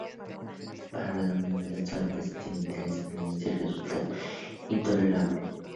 Para los dominicanos, toda presencia militar estadounidense resultaba intolerable.